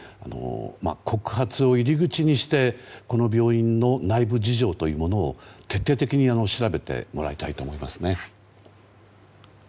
告発を入り口にしてこの病院に内部事情を徹底的に調べてもらいたいと思いますね。